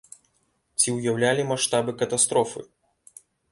Ці ўяўлялі маштабы катастрофы?